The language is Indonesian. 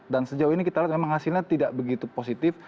sejauh ini kita lihat memang hasilnya tidak begitu positif